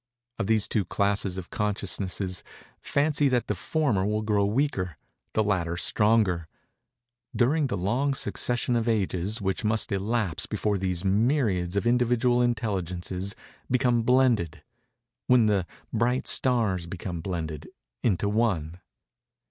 Of the two classes of consciousness, fancy that the former will grow weaker, the latter stronger, during the long succession of ages which must elapse before these myriads of individual Intelligences become blended—when the bright stars become blended—into One.